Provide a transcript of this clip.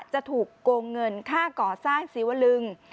จะถูกโกงเงินค่าก่อสร้างศิวลึง